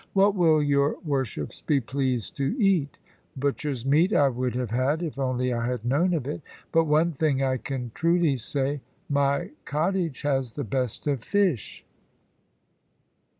What will your worships be pleased to eat? Butcher's meat I would have had, if only I had known of it. But one thing I can truly say, my cottage has the best of fish."